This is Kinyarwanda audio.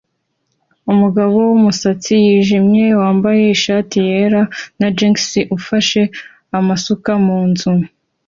Umugabo wumusatsi wijimye wambaye ishati yera na jans ufashe amasuka munzu